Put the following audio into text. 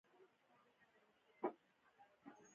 منشور د نه عملي کېدو په صورت کې حق درلود.